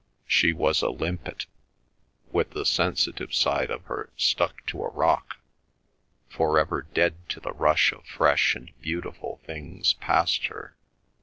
She was a limpet, with the sensitive side of her stuck to a rock, for ever dead to the rush of fresh and beautiful things past her.